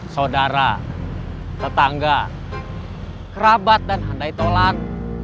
saudara tetangga kerabat dan handai tolan